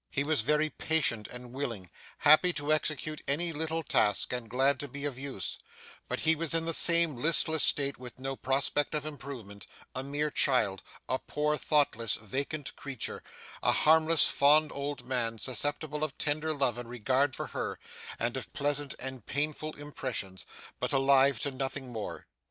He was very patient and willing, happy to execute any little task, and glad to be of use; but he was in the same listless state, with no prospect of improvement a mere child a poor, thoughtless, vacant creature a harmless fond old man, susceptible of tender love and regard for her, and of pleasant and painful impressions, but alive to nothing more.